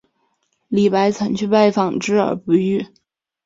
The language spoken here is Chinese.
李白曾去拜访之而不遇。